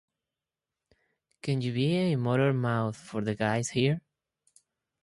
Can you be a motor mouth for the guys here?